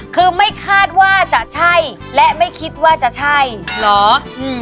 คือไม่คาดว่าจะใช่และไม่คิดว่าจะใช่เหรออืม